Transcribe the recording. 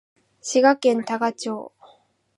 滋賀県多賀町